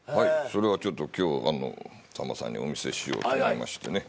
それはちょっと今日さんまさんにお見せしようと思いましてね。